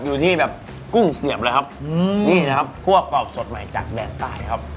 อยู่ที่แบบกุ้งเสียบเลยครับอืมนี่นะครับคั่วกรอบสดใหม่จากแดนใต้ครับ